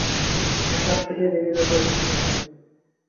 তার কাছ থেকেই দেবীর ব্যাপারটি তুমি শুনেছ।